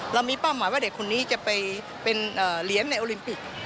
เรามีเป้าหมายว่าเด็กคนนี้จะไปเป็นเหรียญในโอลิมปิก